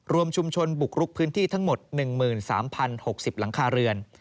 รวมชุมชนบุกรุกพื้นที่ทั้งหมด๑๓๐๖๐หลังคาเรือน